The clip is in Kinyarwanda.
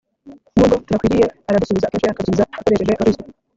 Nubwo tudakwiriye aradusubiza, akenshi akadusubiza akoresheje Abakristo